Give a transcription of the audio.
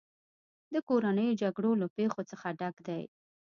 د کورنیو جګړو له پېښو څخه ډک دی.